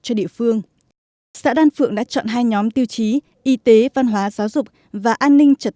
cho địa phương xã đan phượng đã chọn hai nhóm tiêu chí y tế văn hóa giáo dục và an ninh trật